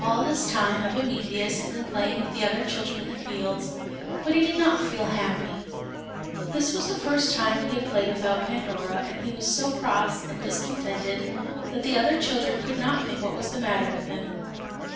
All this time Epimetheus had been playing with the other children in the fields, but he did not feel happy. This was the first time he had played without Pandora, and he was so cross and discontented that the other children could not think what was the matter with him.